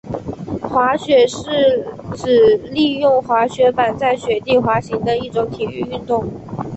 滑雪是指利用滑雪板在雪地滑行的一种体育运动。